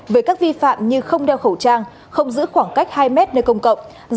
về các vi phạm như không đeo khẩu trang không giữ khoảng cách hai mét nơi công cộng